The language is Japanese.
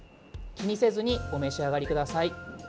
気にせずにお召し上がりください。